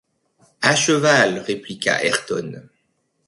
À cheval, répliqua Ayrton.